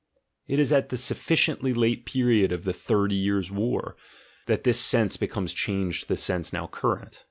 It is at the sufficiently late period of the Thirty Years' War that this sense becomes changed to the sense now current.